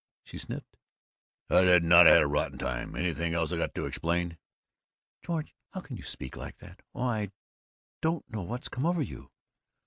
she sniffed. "I did not. I had a rotten time! Anything else I got to explain?" "George, how can you speak like Oh, I don't know what's come over you!"